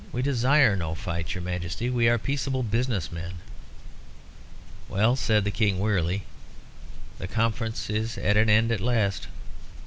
"We desire no fight, your Majesty. We are peaceable business men." "Well," said the King, wearily, "the conference is at an end at last."